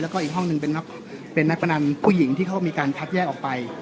แล้วก็อีกห้องหนึ่งเป็นนักพนันผู้หญิงที่เขามีการคัดแยกออกไป